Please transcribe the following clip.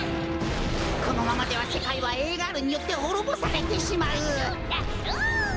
このままではせかいはＡガールによってほろぼされてしまう。